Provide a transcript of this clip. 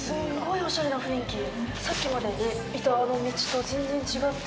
さっきまでいたあの道とは全然違って。